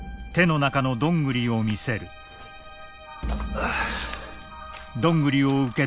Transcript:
ああ。